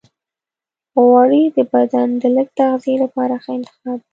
غوړې د بدن د لږ تغذیې لپاره ښه انتخاب دی.